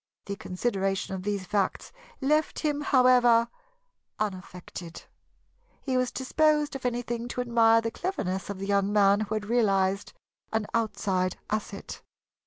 The consideration of these facts left him, however, unaffected. He was disposed, if anything, to admire the cleverness of the young man who had realized an outside asset.